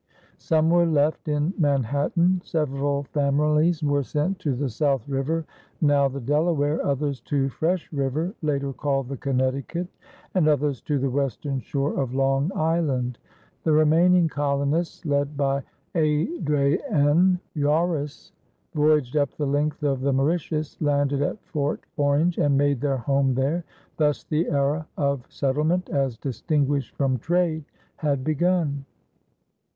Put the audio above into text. Some were left in Manhattan, several families were sent to the South River, now the Delaware, others to Fresh River, later called the Connecticut, and others to the western shore of Long Island. The remaining colonists, led by Adriaen Joris, voyaged up the length of the Mauritius, landed at Fort Orange, and made their home there. Thus the era of settlement as distinguished from trade had begun.